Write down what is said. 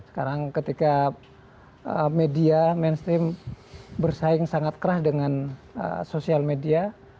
sekarang ketika media mainstream bersaing sangat keras dengan sosial media